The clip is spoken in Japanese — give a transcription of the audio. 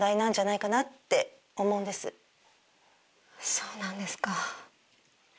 そうなんですか。